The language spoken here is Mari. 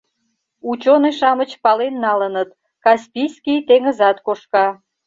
Учёный-шамыч пален налыныт — Каспийский теҥызат кошка.